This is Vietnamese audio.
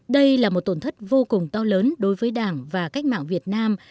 đây là một tổn thất vô cùng to lớn đối với đảng và cách mạng việt nam